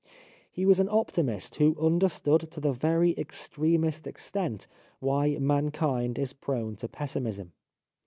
He was an optimist who understood to the very extremest extent why mankind is prone to pessimism.